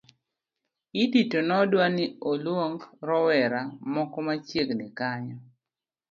Idi to nodwa ni olwong rowera moko machiegni kanyo